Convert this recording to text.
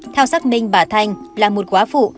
theo xác minh bà thanh là một quá phụ